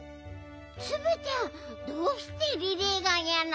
ツムちゃんどうしてリレーがいやなの？